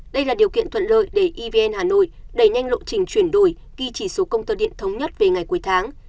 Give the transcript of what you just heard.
đây là điều kiện thuận lợi để evn hà nội đẩy nhanh lộ trình chuyển đổi ghi chỉ số công tơ điện thống nhất về ngày cuối tháng